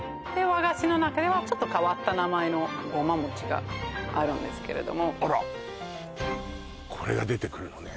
和菓子の中ではちょっと変わった名前のごま餅があるんですけれどもあらっこれが出てくるのね